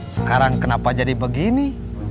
sekarang kenapa jadi begini